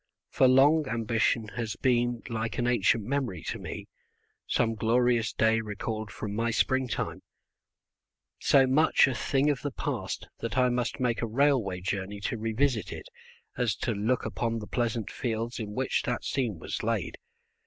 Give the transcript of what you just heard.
For long ambition has been like an ancient memory to me, some glorious day recalled from my springtime, so much a thing of the past that I must make a railway journey to revisit it as to look upon the pleasant fields in which that scene was laid.